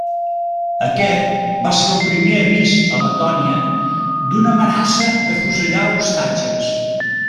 Aquest va ser el primer avís a Letònia d'una amenaça d'afusellar ostatges.